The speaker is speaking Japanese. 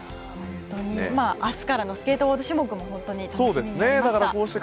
明日からのスケート種目も楽しみになりました。